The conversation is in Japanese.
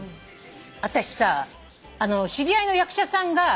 私知り合いの役者さんが。